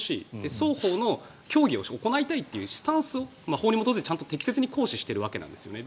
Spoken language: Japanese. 双方の協議を行いたいというスタンスを法に基づいて行使しているんですね。